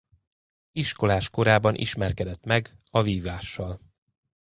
Iskolás korában ismerkedett meg a vívással.